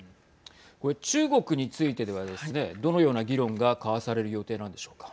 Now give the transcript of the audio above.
これ、中国についてではですねどのような議論が交わされる予定なんでしょうか。